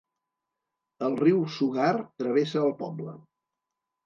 El riu Sugar travessa el poble.